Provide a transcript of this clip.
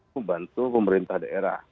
membantu pemerintah daerah